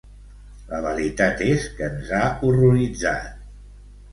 La veritat és que ens ha horroritzat.